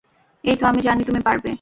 এইতো, আমি জানি তো তুমি পারবে।